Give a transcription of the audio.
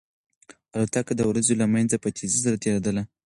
الوتکه د وريځو له منځه په تېزۍ سره تېرېدله.